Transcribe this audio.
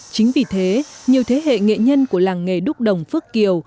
chính vì thế nhiều thế hệ nghệ nhân của làng nghề đúc đồng phước kiều